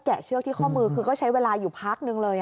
เชือกที่ข้อมือคือก็ใช้เวลาอยู่พักนึงเลย